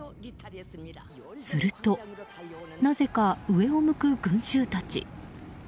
すると、なぜか上を向く群衆たち。